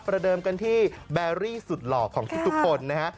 เดิมกันที่แบรี่สุดหล่อของทุกคนนะฮะ